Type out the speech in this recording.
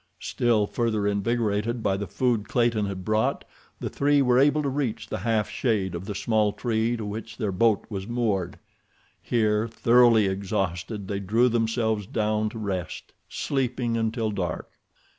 Still further invigorated by the food Clayton had brought, the three were able to reach the half shade of the small tree to which their boat was moored. Here, thoroughly exhausted, they threw themselves down to rest, sleeping until dark.